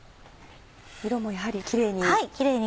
色もやはりキレイに。